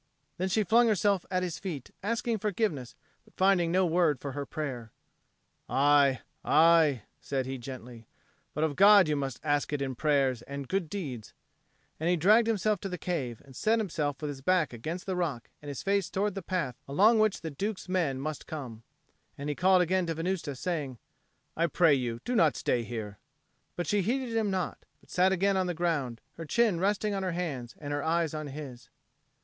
Then she flung herself at his feet, asking forgiveness, but finding no word for her prayer. "Aye, aye," said he gently. "But of God you must ask it in prayers and good deeds." And he dragged himself to the cave and set himself with his back against the rock and his face towards the path along which the Duke's men must come. And he called again to Venusta, saying, "I pray you, do not stay here." But she heeded him not, but sat again on the ground, her chin resting on her hands and her eyes on his.